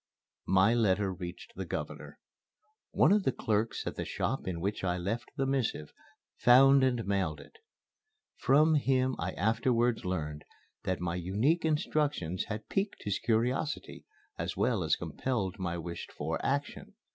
My letter reached the Governor. One of the clerks at the shop in which I left the missive found and mailed it. From him I afterwards learned that my unique instructions had piqued his curiosity, as well as compelled my wished for action.